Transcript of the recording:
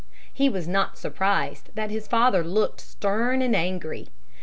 He was not surprised that his father looked stern and angry.